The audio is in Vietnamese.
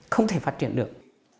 không thể phát triển được